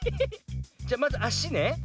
じゃまずあしね。